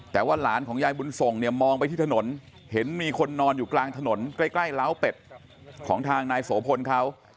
แต่ว่าหลานของยายบุญส่งเนี่ยมองไปที่ถนนเห็นมีคนนอนอยู่กลางถนนใกล้ล้าวเป็ดของทางนายโสพลเขา